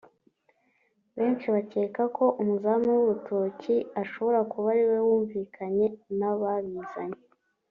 Benshi bakeka ko umuzamu w’urutoki ashobora kuba ariwe wumvikanye n’ababizanye